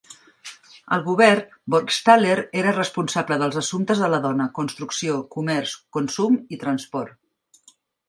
Al Govern, Burgstaller era responsable dels assumptes de la dona, construcció, comerç, consum i transport.